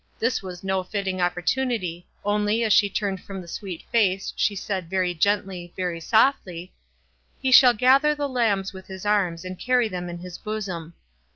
This was no fitting opportunity, only, as she turned from the sweet nice, she said, very gently, very softly, " f Ho shall gather the lambs with his arms, and carry them in his bosom.'"